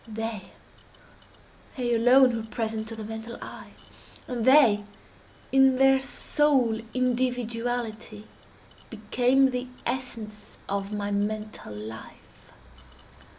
They—they alone were present to the mental eye, and they, in their sole individuality, became the essence of my mental life.